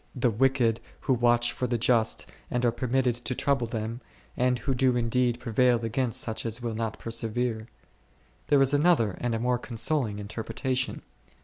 the wicked who watch for the just and are permitted to trouble them, and who do indeed prevail against such as will not persevere. There is another and a more con soling interpretation.